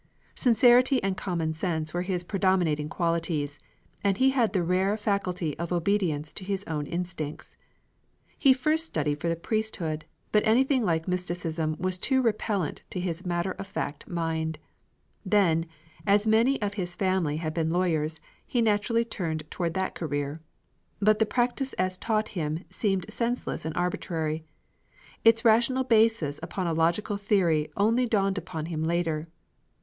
Sincerity and common sense were his predominating qualities, and he had the rare faculty of obedience to his own instincts. He first studied for the priesthood, but anything like mysticism was too repellent to his matter of fact mind. Then, as many of his family had been lawyers, he naturally turned toward that career. But the practice as taught him seemed senseless and arbitrary. Its rational basis upon a logical theory only dawned upon him later.